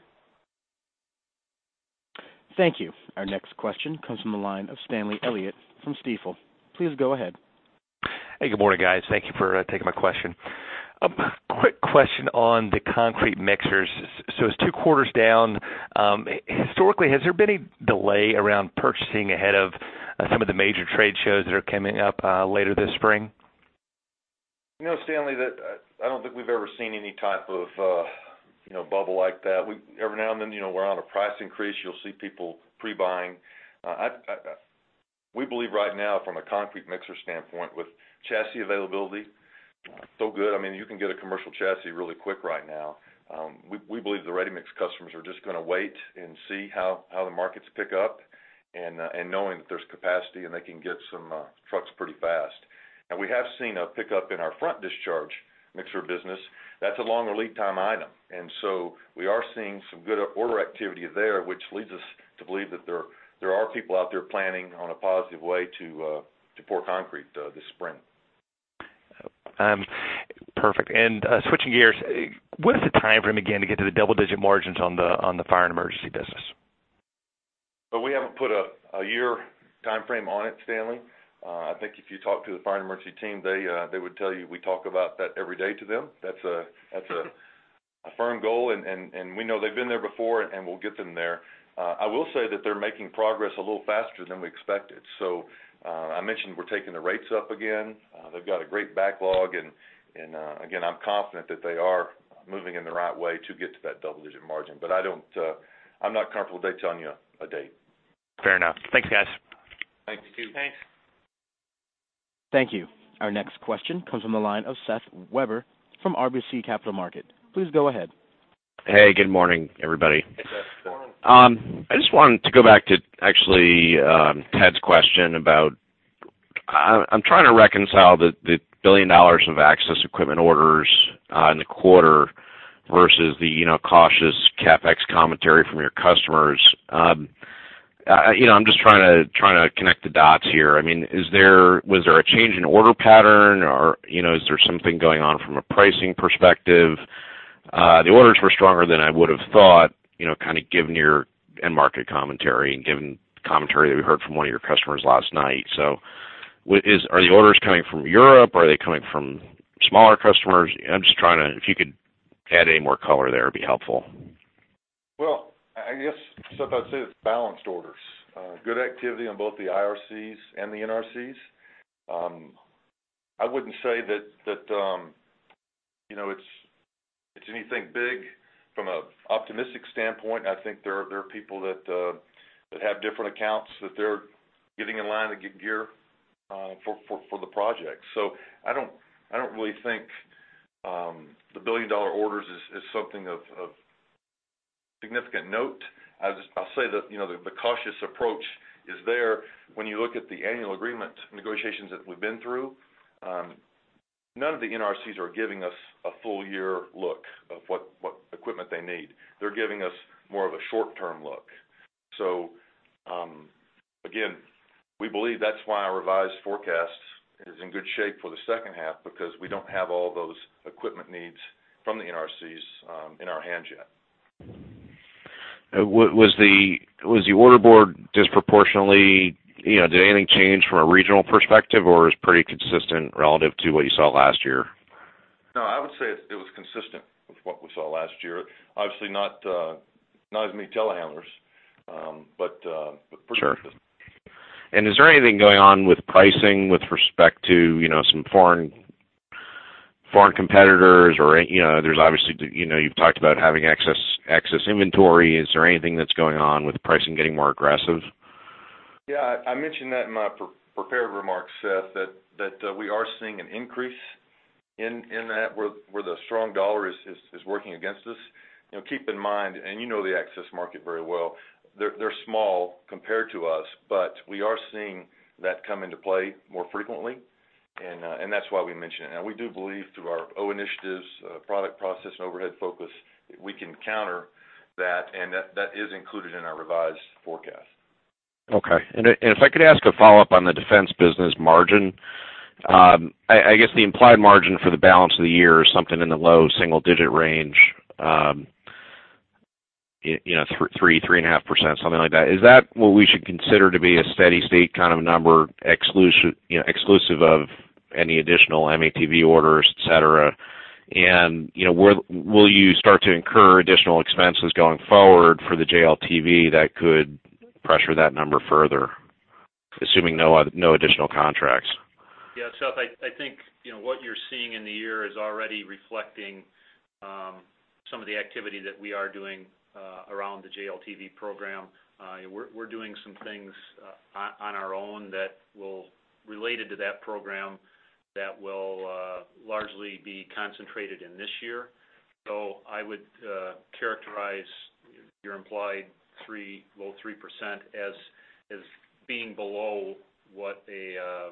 Thank you. Our next question comes from the line of Stanley Elliott from Stifel. Please go ahead. Hey, good morning, guys. Thank you for taking my question. A quick question on the concrete mixers. So it's two quarters down. Historically, has there been any delay around purchasing ahead of some of the major trade shows that are coming up, later this spring? You know, Stanley, that I don't think we've ever seen any type of you know, bubble like that. We every now and then, you know, we're on a price increase. You'll see people pre-buying. We believe right now, from a concrete mixer standpoint, with chassis availability so good, I mean, you can get a commercial chassis really quick right now. We believe the ready-mix customers are just gonna wait and see how the markets pick up, and knowing that there's capacity, and they can get some trucks pretty fast. Now we have seen a pickup in our front discharge mixer business. That's a longer lead time item. And so we are seeing some good order activity there, which leads us to believe that there are people out there planning on a positive way to pour concrete this spring. Perfect. And, switching gears, what is the time frame again to get to the double-digit margins on the Fire and Emergency business? So we haven't put a year time frame on it, Stanley. I think if you talk to the fire and emergency team, they would tell you we talk about that every day to them. That's a firm goal, and we know they've been there before, and we'll get them there. I will say that they're making progress a little faster than we expected. So, I mentioned we're taking the rates up again. They've got a great backlog, and again, I'm confident that they are moving in the right way to get to that double-digit margin. But I'm not comfortable with telling you a date. Fair enough. Thanks, guys. Thanks, too. Thanks. Thank you. Our next question comes from the line of Seth Weber from RBC Capital Markets. Please go ahead. Hey, good morning, everybody. Hey, Seth, good morning. I just wanted to go back to actually, Ted's question about, I'm trying to reconcile the $1 billion of access equipment orders in the quarter versus the, you know, cautious CapEx commentary from your customers. You know, I'm just trying to connect the dots here. I mean, was there a change in order pattern, or, you know, is there something going on from a pricing perspective? The orders were stronger than I would've thought, you know, kind of given your end market commentary and given the commentary that we heard from one of your customers last night. So are the orders coming from Europe? Are they coming from smaller customers? If you could add any more color there, it'd be helpful. Well, I guess, Seth, I'd say it's balanced orders, good activity on both the IRCs and the NRCs. I wouldn't say that, you know, it's anything big from an optimistic standpoint. I think there are people that have different accounts that they're getting in line to get gear for the project. So I don't really think the billion-dollar orders is something of significant note. I'll say that, you know, the cautious approach is there when you look at the annual agreement negotiations that we've been through, none of the NRCs are giving us a full year look of what equipment they need. They're giving us more of a short-term look. Again, we believe that's why our revised forecast is in good shape for the second half, because we don't have all those equipment needs from the NRCs in our hands yet. What was the, was the order board disproportionately. You know, did anything change from a regional perspective, or it's pretty consistent relative to what you saw last year? No, I would say it, it was consistent with what we saw last year. Obviously not, not as many telehandlers, but, but pretty consistent. Sure. Is there anything going on with pricing with respect to, you know, some foreign competitors or, you know, there's obviously, you know, you've talked about having excess inventory? Is there anything that's going on with pricing getting more aggressive? Yeah, I mentioned that in my pre-prepared remarks, Seth, that we are seeing an increase in that, where the strong dollar is working against us. You know, keep in mind, and you know the access market very well, they're small compared to us, but we are seeing that come into play more frequently, and that's why we mentioned it. Now, we do believe through our MOVE initiatives, product, process, and overhead focus, we can counter that, and that is included in our revised forecast. Okay. And if, and if I could ask a follow-up on the defense business margin, I guess, the implied margin for the balance of the year is something in the low single-digit range, you know, 3, 3.5%, something like that. Is that what we should consider to be a steady state kind of number, exclusive of any additional M-ATV orders, etc.? And, you know, where will you start to incur additional expenses going forward for the JLTV that could pressure that number further, assuming no other, no additional contracts? Yeah, Seth, I think, you know, what you're seeing in the year is already reflecting some of the activity that we are doing around the JLTV program. We're doing some things on our own that will related to that program, that will largely be concentrated in this year. So I would characterize your implied low 3% as being below what a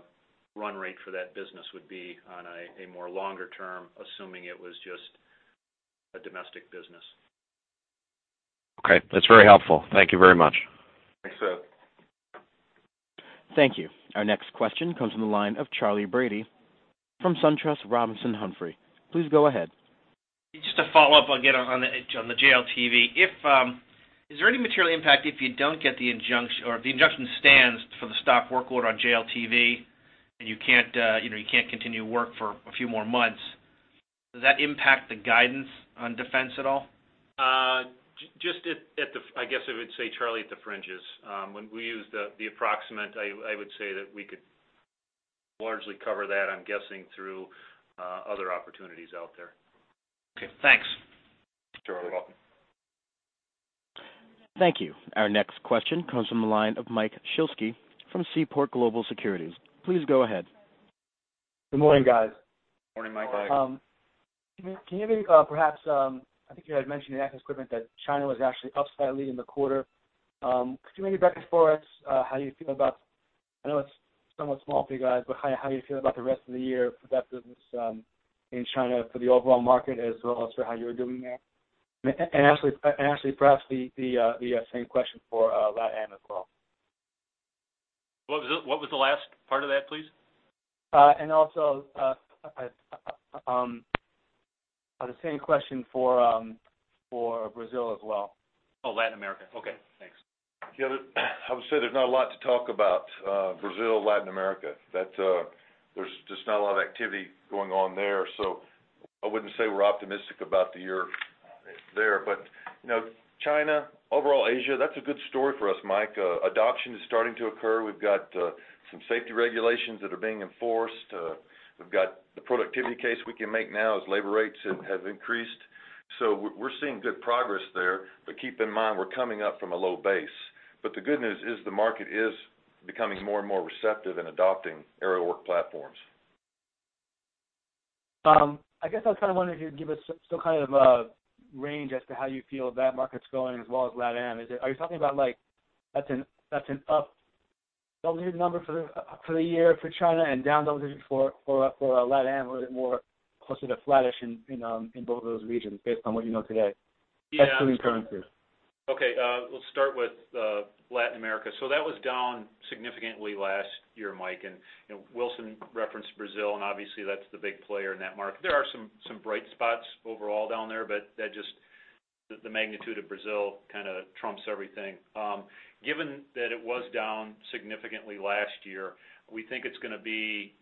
run rate for that business would be on a more longer term, assuming it was just a domestic business. Okay. That's very helpful. Thank you very much. Thanks, Seth. Thank you. Our next question comes from the line of Charley Brady from SunTrust Robinson Humphrey. Please go ahead. Just a follow-up again on the, on the JLTV. If is there any material impact if you don't get the injunction, or if the injunction stands for the stop work order on JLTV, and you can't, you know, you can't continue work for a few more months, does that impact the guidance on defense at all? Just at the fringes, I guess. I would say, Charley, at the fringes. When we use the approximate, I would say that we could largely cover that, I'm guessing, through other opportunities out there. Okay, thanks. You're welcome. Thank you. Our next question comes from the line of Mike Shlisky from Seaport Global Securities. Please go ahead. Good morning, guys. Morning, Mike. Can you maybe, perhaps, I think you had mentioned in Access Equipment that China was actually up slightly in the quarter. Could you maybe break it for us, how you feel about. I know it's somewhat small for you guys, but how, how do you feel about the rest of the year for that business, in China, for the overall market, as well as for how you're doing there? And actually, actually, perhaps the, the, the same question for LatAm as well. What was the last part of that, please? Also, the same question for Brazil as well? Oh, Latin America. Okay, thanks. Yeah, I would say there's not a lot to talk about, Brazil, Latin America. That's, there's just not a lot of activity going on there, so I wouldn't say we're optimistic about the year there. But, you know, China, overall Asia, that's a good story for us, Mike. Adoption is starting to occur. We've got, some safety regulations that are being enforced. We've got the productivity case we can make now as labor rates have, have increased. So we're, we're seeing good progress there, but keep in mind, we're coming up from a low base. But the good news is, the market is becoming more and more receptive in adopting aerial work platforms. I guess I was kind of wondering if you'd give us some kind of range as to how you feel that market's going, as well as LatAm. Are you talking about, like, an up double-digit number for the year for China and down double digits for LatAm, or is it more closer to flattish in both of those regions, based on what you know today? Yeah. Actually, currencies. Okay, we'll start with Latin America. So that was down significantly last year, Mike, and, you know, Wilson referenced Brazil, and obviously, that's the big player in that market. There are some, some bright spots overall down there, but that just, the magnitude of Brazil kind of trumps everything. Given that it was down significantly last year, we think it's gonna be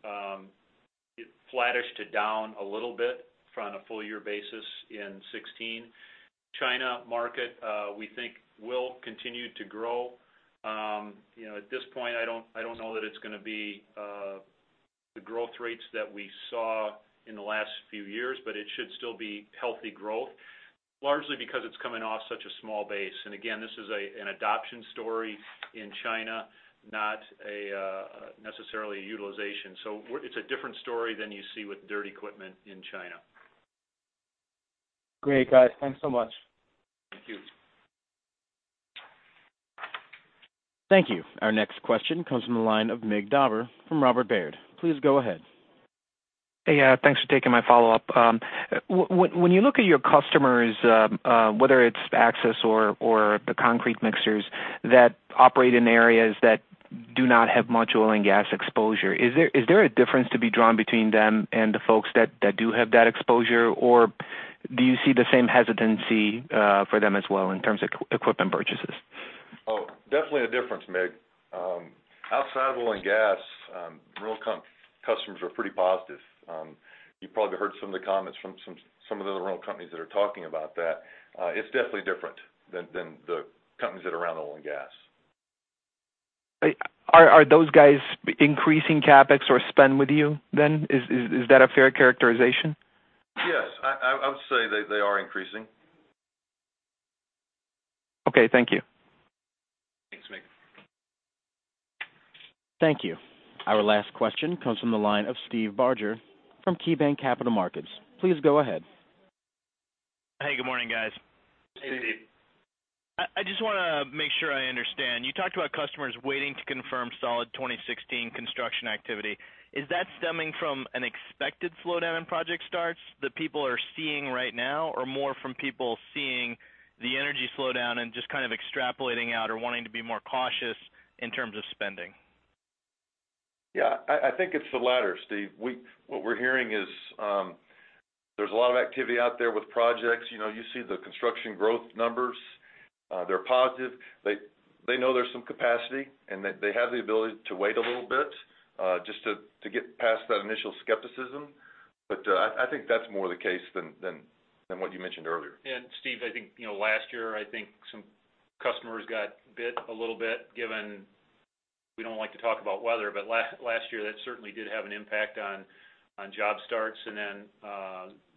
flattish to down a little bit from a full year basis in 2016. China market, we think will continue to grow. You know, at this point, I don't know that it's gonna be the growth rates that we saw in the last few years, but it should still be healthy growth, largely because it's coming off such a small base. And again, this is a, an adoption story in China, not a necessarily a utilization. So it's a different story than you see with dirt equipment in China. Great, guys. Thanks so much. Thank you. Thank you. Our next question comes from the line of Mig Dobre from Robert W. Baird. Please go ahead. Hey, yeah, thanks for taking my follow-up. When you look at your customers, whether it's access or the concrete mixers that operate in areas that do not have much oil and gas exposure, is there a difference to be drawn between them and the folks that do have that exposure? Or do you see the same hesitancy for them as well, in terms of equipment purchases? Oh, definitely a difference, Mig. Outside of oil and gas, rental commercial customers are pretty positive. You probably heard some of the comments from some of the other rental companies that are talking about that. It's definitely different than the companies that are around oil and gas. Are those guys increasing CapEx or spend with you then? Is that a fair characterization? Yes. I would say they are increasing. Okay. Thank you. Thanks, Mig. Thank you. Our last question comes from the line of Steve Barger from KeyBank Capital Markets. Please go ahead. Hey, good morning, guys. Hey, Steve. I, I just wanna make sure I understand. You talked about customers waiting to confirm solid 2016 construction activity. Is that stemming from an expected slowdown in project starts that people are seeing right now, or more from people seeing the energy slowdown and just kind of extrapolating out or wanting to be more cautious in terms of spending? Yeah, I think it's the latter, Steve. What we're hearing is, there's a lot of activity out there with projects. You know, you see the construction growth numbers, they're positive. They know there's some capacity, and they have the ability to wait a little bit, just to get past that initial skepticism. But, I think that's more the case than what you mentioned earlier. And Steve, I think, you know, last year, I think some customers got bit a little bit, given we don't like to talk about weather, but last year, that certainly did have an impact on job starts and then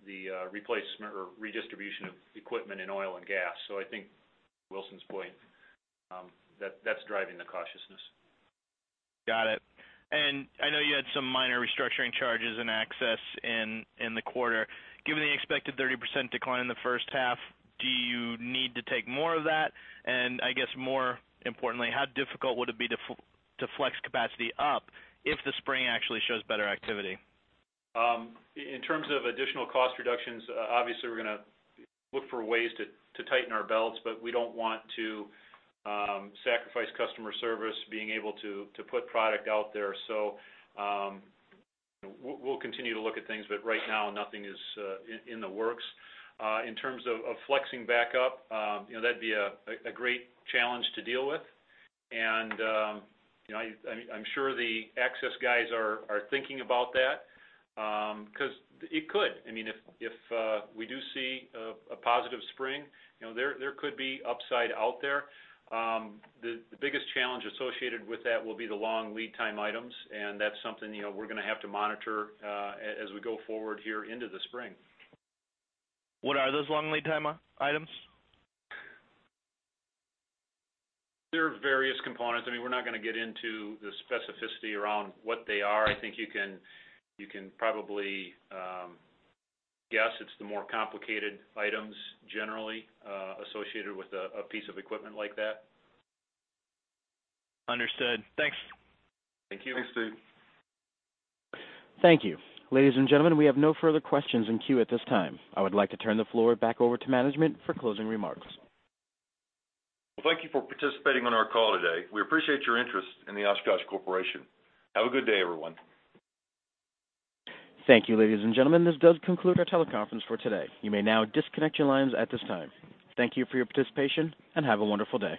the replacement or redistribution of equipment in oil and gas. So I think Wilson's point, that's driving the cautiousness. Got it. And I know you had some minor restructuring charges and access in the quarter. Given the expected 30% decline in the first half, do you need to take more of that? And I guess more importantly, how difficult would it be to flex capacity up if the spring actually shows better activity? In terms of additional cost reductions, obviously, we're gonna look for ways to tighten our belts, but we don't want to sacrifice customer service, being able to put product out there. So, we'll continue to look at things, but right now, nothing is in the works. In terms of flexing back up, you know, that'd be a great challenge to deal with. And, you know, I'm sure the Access guys are thinking about that, 'cause it could. I mean, if we do see a positive spring, you know, there could be upside out there. The biggest challenge associated with that will be the long lead time items, and that's something, you know, we're gonna have to monitor, as we go forward here into the spring. What are those long lead time items? There are various components. I mean, we're not gonna get into the specificity around what they are. I think you can probably guess it's the more complicated items generally associated with a piece of equipment like that. Understood. Thanks. Thank you. Thanks, Steve. Thank you. Ladies and gentlemen, we have no further questions in queue at this time. I would like to turn the floor back over to management for closing remarks. Well, thank you for participating on our call today. We appreciate your interest in the Oshkosh Corporation. Have a good day, everyone. Thank you, ladies and gentlemen. This does conclude our teleconference for today. You may now disconnect your lines at this time. Thank you for your participation, and have a wonderful day.